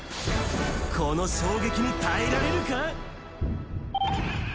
この衝撃に耐えられるか？